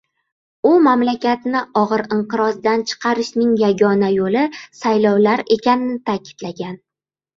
U mamlakatni og‘ir inqirozdan chiqarishning yagona yo‘li saylovlar ekanini ta’kidlagan